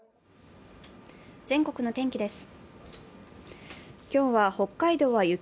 全国の天気です。